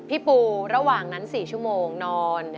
ปูระหว่างนั้น๔ชั่วโมงนอน